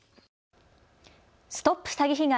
ＳＴＯＰ詐欺被害！